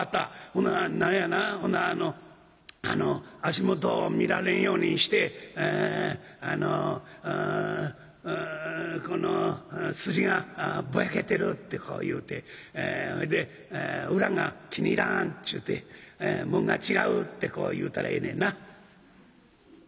ほな何やなあの足元を見られんようにしてあああのうん『この筋がぼやけてる』ってこう言うてほいで『裏が気に入らん』ちゅうて『紋が違う』ってこう言うたらええねんな」。